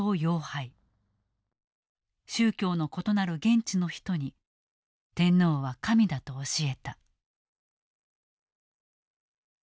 宗教の異なる現地の人に天皇は神だと教えた。